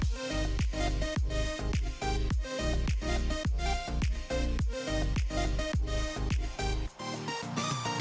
ternyata seperti kompleks di dalam